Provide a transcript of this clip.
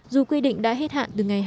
dù quy định đã hết hạn từ ngày